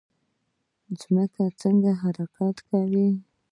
ځمکه څنګه حرکت کوي؟